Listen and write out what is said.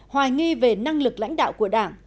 hoài nghi về năng lực lãnh đạo của đảng